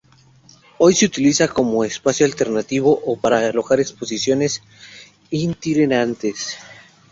Hoy se utiliza como espacio alternativo o para alojar exposiciones itinerantes.